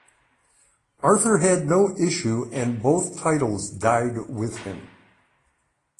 Arthur had no issue and both titles died with him.